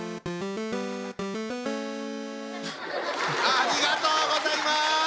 ありがとうございます。